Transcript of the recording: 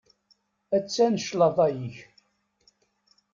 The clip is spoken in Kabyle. Attan claḍa-ik.